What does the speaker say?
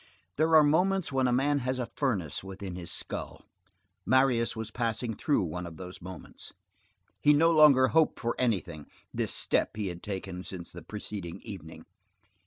There are moments when a man has a furnace within his skull. Marius was passing through one of those moments. He no longer hoped for anything; this step he had taken since the preceding evening.